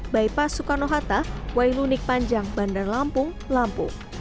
baipas soekarno hatta wailunik panjang bandar lampung lampung